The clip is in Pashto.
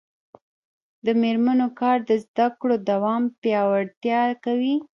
د میرمنو کار د زدکړو دوام پیاوړتیا کوي.